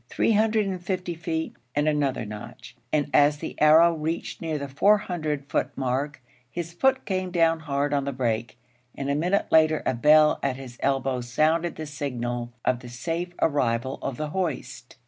Three hundred and fifty feet, and another notch, and as the arrow reached near the 400 foot mark, his foot came down hard on the brake, and a minute later a bell at his elbow sounded the signal of the safe arrival of the hoist.